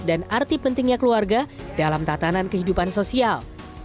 dan arti pentingnya keluarga dalam tatanan kehidupan sosial